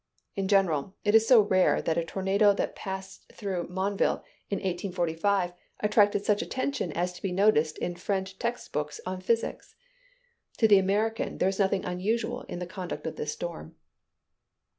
In general, it is so rare that a tornado that passed through Monville in 1845 attracted such attention as to be noticed in French text books on physics. To the American, there is nothing unusual in the conduct of this storm.